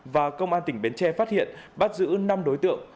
và công an tỉnh bến tre phát hiện bắt giữ năm đối tượng